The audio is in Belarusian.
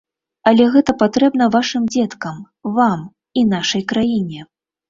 Але гэта патрэбна вашым дзеткам, вам і нашай краіне.